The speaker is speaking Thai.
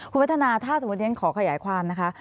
คุณพัฒนาถ้าสมมุติฉันขอขยายความนะคะ